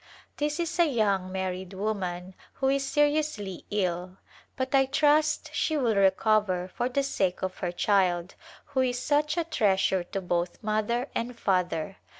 This is a young married woman who is seri ously ill, but I trust she will recover for the sake of her child who is such a treasure to both mother and father.